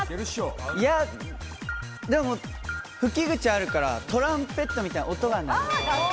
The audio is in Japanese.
でも吹き口あるから、トランペットみたいな音が鳴る。